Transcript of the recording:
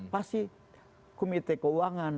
pasti komite keuangan